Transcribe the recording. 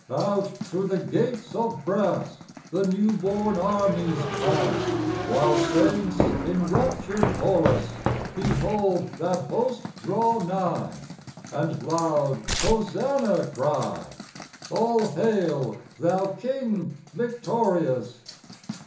Out through the gates of brass The new born armies pass ; While saints, in raptured chorus, Behold that host draw nigh, And loud "Hosanna! " cry, —" All hail, Thou King victorious